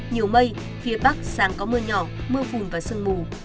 nhiều mây phía bắc sáng có mưa nhỏ mưa phùm và sơn mù